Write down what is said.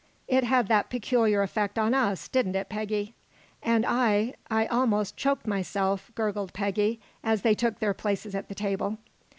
It had that peculiar effect on us, didn't it, Peggy?" "And I I almost choked myself," gurgled Peggy as they took their places at the table.